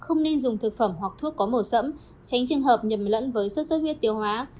không nên dùng thực phẩm hoặc thuốc có màu sẫm tránh trường hợp nhầm lẫn với sốt xuất huyết tiêu hóa